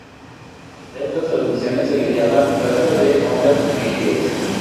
A estas transmisiones se les llama 'traza de ondas dirigidas'.